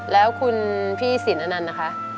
แล้วคุณพี่สินอนันต์นะคะ